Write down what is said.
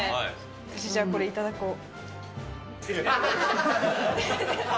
私、じゃあ、これいただこう。